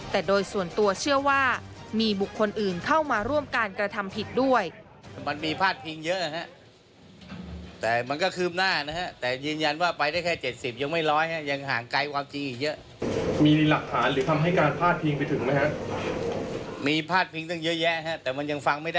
แต่โดยส่วนตัวเชื่อว่ามีบุคคลอื่นเข้ามาร่วมการกระทำผิดด้วย